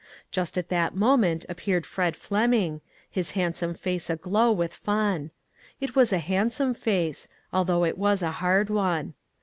Just at that moment ap peared Fred Fleming, his handsome face aglow with fun. It was a handsome face, although it was a hard one.